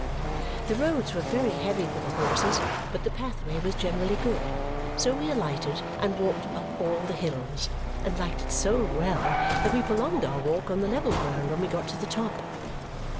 The roads were very heavy for the horses, but the pathway was generally good, so we alighted and walked up all the hills, and liked it so well that we prolonged our walk on the level ground when we got to the top.